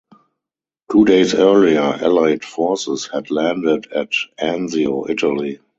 Two days earlier Allied forces had landed at Anzio, Italy.